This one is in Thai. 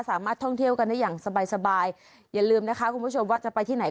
สามารถท่องเที่ยวกันได้อย่างสบายสบายอย่าลืมนะคะคุณผู้ชมว่าจะไปที่ไหน